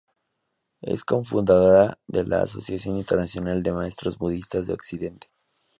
Es cofundadora de la asociación internacional de maestros budistas de occidente.